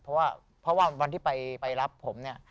เพราะว่าวันที่ไปรับผมเนี่ย